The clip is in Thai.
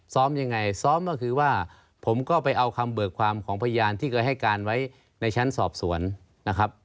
ซ้อมยังไงซ้อมก็คือว่าผมก็ไปเอาคำเบิกความของพยานที่เคยให้การไว้ในชั้นสอบสวนนะครับ